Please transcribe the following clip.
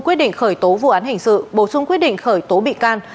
quyết định khởi tố vụ án hình sự bổ sung quyết định khởi tố bị can